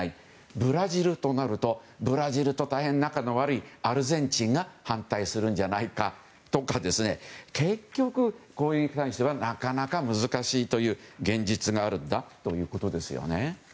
ブラジルとなるとブラジルと大変仲の悪いアルゼンチンが反対するんじゃないかとか結局、これに関してはなかなか難しいという現実があるということですね。